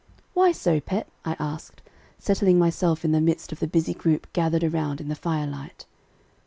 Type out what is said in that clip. "Why so, pet?" I asked, settling myself in the midst of the busy group gathered around in the firelight.